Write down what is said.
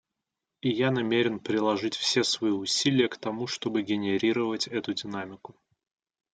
И я намерен приложить все свои усилия к тому, чтобы генерировать эту динамику.